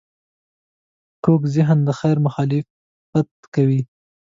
کوږ ذهن د خیر مخالفت کوي